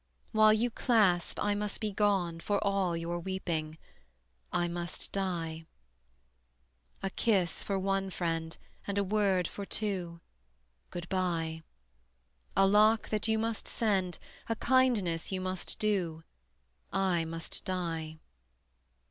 While you clasp, I must be gone For all your weeping: I must die. A kiss for one friend, And a word for two, Good by: A lock that you must send, A kindness you must do: I must die.